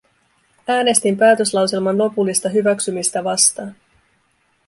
Äänestin päätöslauselman lopullista hyväksymistä vastaan.